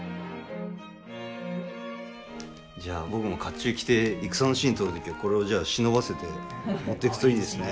じゃあ僕も甲冑着て戦のシーン撮る時はこれを忍ばせて持ってくといいですね。